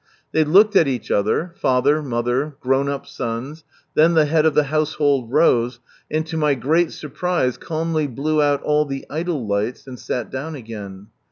They looked at each other, father, mother, grown up sons, then the head of the household rose, and to my great surprise calmly blew out ail the idol lights, and sat down again.